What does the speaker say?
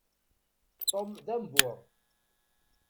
Tom d ambur.